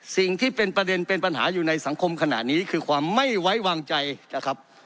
สิ่งที่เป็นประเด็นเป็นปัญหาอยู่ในสังคมขณะนี้คือความไม่ไว้วางใจนะครับ